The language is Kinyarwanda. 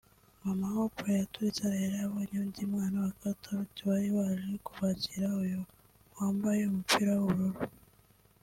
Mama wa Oprah yaturitse ararira abonye undi mwana wa Katauti wari waje kubakira (Uyu wambaye umupira w'ubururu)